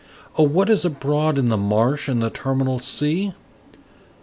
Oh, what is abroad in the marsh and the terminal sea?